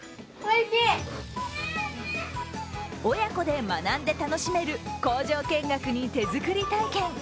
親子で学んで楽しめる工場見学に手作り体験。